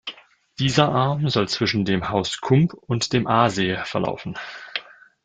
Dieser Arm soll zwischen dem Haus Kump und dem Aasee verlaufen.